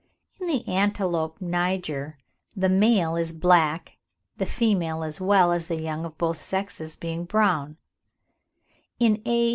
In the Antilope niger the male is black, the female, as well as the young of both sexes, being brown; in A.